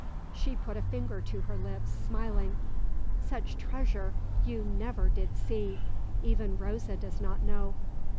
She put a finger to her lips, smiling. "Such treasure you never did see. ... Even Rosa does not know.